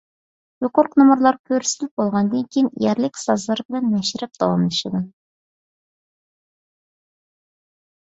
يۇقىرىقى نومۇرلار كۆرسىتىلىپ بولغاندىن كېيىن يەرلىك سازلار بىلەن مەشرەپ داۋاملىشىدۇ.